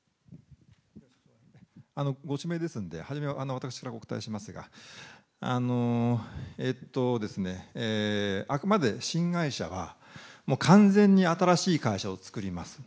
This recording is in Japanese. ご指名ですんで、初め、私がお答えしますが、えっとですね、あくまで新会社は完全に新しい会社を作ります。